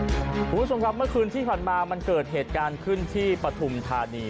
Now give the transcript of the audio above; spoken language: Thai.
คุณผู้ชมครับเมื่อคืนที่ผ่านมามันเกิดเหตุการณ์ขึ้นที่ปฐุมธานี